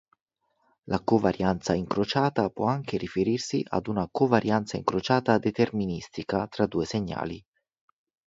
La covarianza incrociata può anche riferirsi ad una covarianza incrociata "deterministica" tra due segnali.